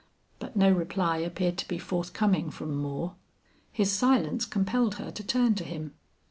But no reply appeared to be forthcoming from Moore. His silence compelled her to turn to him.